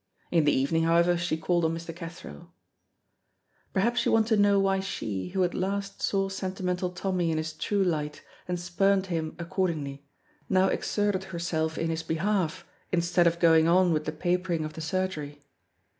In the evening, however, she called on Mr. Cathro. Perhaps you want to know why she, who at last saw Sentimental Tommy in his true light and spurned him accordingly, now exerted herself in his behalf instead of going on with the papering of the surgery.